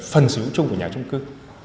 phần sở hữu chung của nhà chung cư